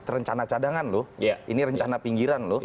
rencana cadangan ini rencana pinggiran